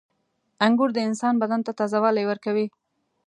• انګور د انسان بدن ته تازهوالی ورکوي.